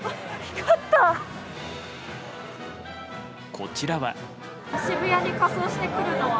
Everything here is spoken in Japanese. こちらは。